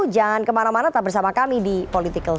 jangan kemana mana tetap bersama kami di political sho